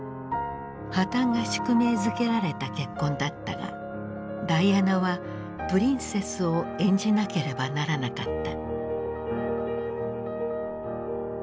破綻が宿命づけられた結婚だったがダイアナはプリンセスを演じなければならなかった。